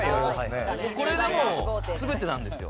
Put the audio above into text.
これがもう全てなんですよ。